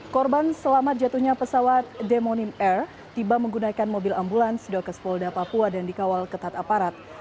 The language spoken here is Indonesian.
korban selamat jatuhnya pesawat demonim air tiba menggunakan mobil ambulans dokes polda papua dan dikawal ketat aparat